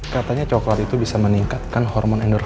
katanya coklat itu bisa meningkatkan hormon energi